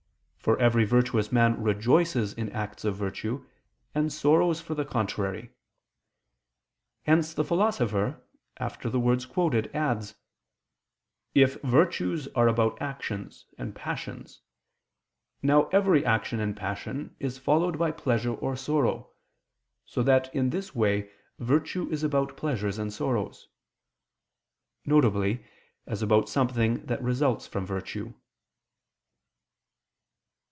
For every virtuous man rejoices in acts of virtue, and sorrows for the contrary. Hence the Philosopher, after the words quoted, adds, "if virtues are about actions and passions; now every action and passion is followed by pleasure or sorrow, so that in this way virtue is about pleasures and sorrows," viz. as about something that results from virtue.